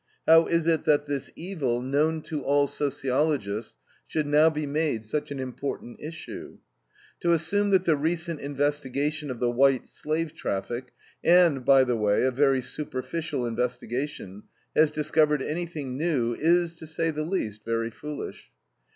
How is it that this evil, known to all sociologists, should now be made such an important issue? To assume that the recent investigation of the white slave traffic (and, by the way, a very superficial investigation) has discovered anything new, is, to say the least, very foolish.